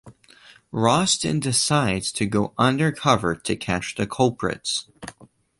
Roston decides to go under cover to catch the culprits.